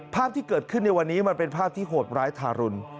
ภาพที่เกิดขึ้นในวันนี้มันเป็นภาพที่โหดร้ายทารุณ